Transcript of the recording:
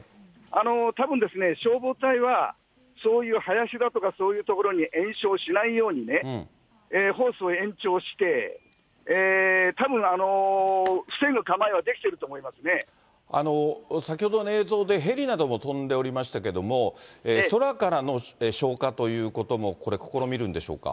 たぶんですね、消防隊は、そういう林だとか、そういう所に延焼しないようにね、ホースを延長して、たぶん、先ほどの映像でヘリなども飛んでおりましたけれども、空からの消火ということも、これ、試みるんでしょうか。